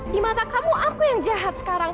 di mata kamu aku yang jahat sekarang